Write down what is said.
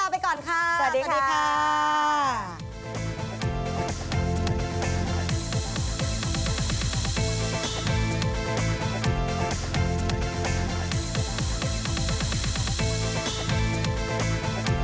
วันนี้เราไปก่อนค่ะสวัสดีค่ะ